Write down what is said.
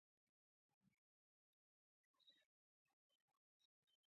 مهم اهداف یې مطلق العنانیت ختمول وو.